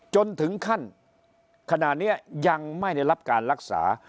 จนถึงขั้นขณะนี้ยังไม่ได้รับการรักษา